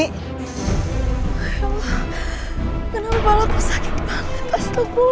ya allah kenapa malah aku sakit banget pasti aku